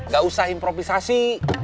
gak usah improvisasi